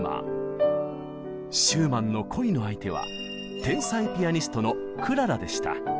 シューマンの恋の相手は天才ピアニストのクララでした。